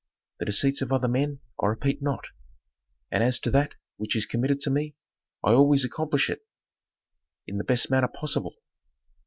The deceits of other men I repeat not, and as to that which is committed to me I always accomplish it in the best manner possible.